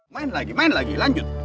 main lagi main lagi lanjut